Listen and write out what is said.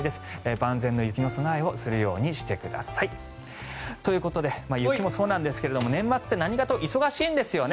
万全な雪の備えをするようにしてください。ということで雪もそうなんですが年末って何かと忙しいんですよね。